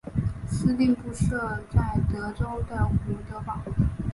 司令部设在德州的胡德堡。